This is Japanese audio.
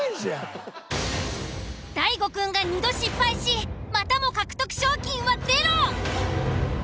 大悟くんが２度失敗しまたも獲得賞金はゼロ。